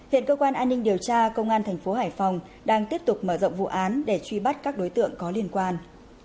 hiện cơ quan an ninh điều tra công an thành phố hải phòng đang tiếp tục mở rộng vụ án để truy bắt các đối tượng có liên quan